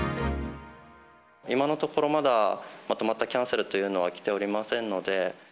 今のところまだ、まとまったキャンセルというのは来ておりませんので。